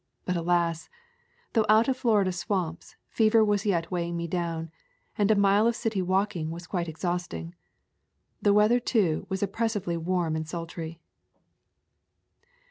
But alas! though out of Florida swamps, fever was yet weighing me down, and a mile of city walking was quite exhausting. The weather too was oppressively warm and sultry.